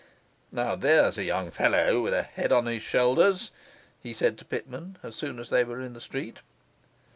'Now there's a young fellow with a head upon his shoulders,' he said to Pitman, as soon as they were in the street.